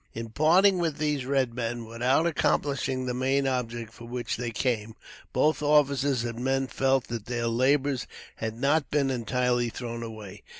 In parting with these red men without accomplishing the main object for which they came, both officers and men felt that their labors had not been entirely thrown away.